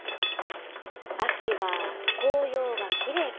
秋は紅葉がきれいかな。